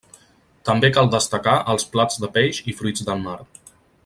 També cal destacar els plats de peix i fruits del mar.